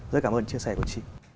rất cảm ơn chia sẻ của chị